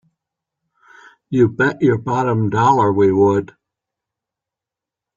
You bet your bottom dollar we would!